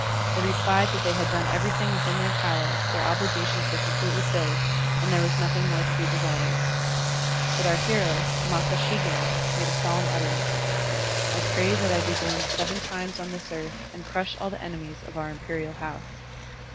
They replied that they had done everything within their power, their obli gations were completely filled, and there was nothing more to be desired. But our hero, Masashig6, made a solemn utterance: "I pray that I be bom seven times on this earth and Digitized by Google BUDDHISM AND ORIENTAL CULTURE 1 73 crush all the enemies of our Imperial House."